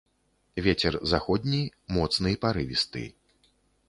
Вецер заходні моцны парывісты.